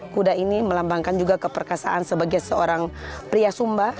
kuda ini melambangkan juga keperkasaan sebagai seorang pria sumba